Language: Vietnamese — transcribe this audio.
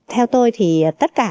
theo tôi thì tất cả